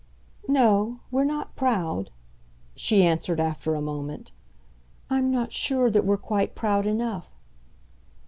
"No, we're not proud," she answered after a moment. "I'm not sure that we're quite proud enough."